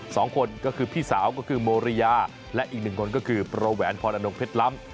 สองคนก็คือพี่สาวก็คือโมริยาและอีกหนึ่งคนก็คือโปรแหวนพรอนงเพชรล้ำ